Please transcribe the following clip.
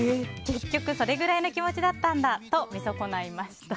結局、それぐらいの気持ちだったんだと見損ないました。